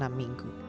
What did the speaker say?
selama enam minggu